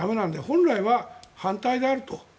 本来は反対であると。